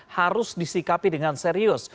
harus disikapi dengan serius